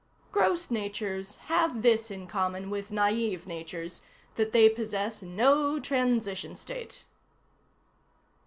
Gross natures have this in common with naïve natures, that they possess no transition state.